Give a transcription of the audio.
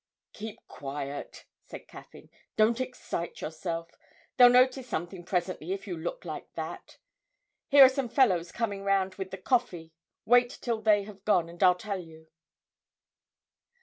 'Keep quiet,' said Caffyn, 'don't excite yourself: they'll notice something presently if you look like that! Here are some fellows coming round with the coffee, wait till they have gone, and I'll tell you.'